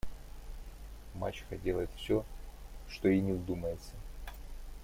Мачеха делает всё, что ей ни вздумается.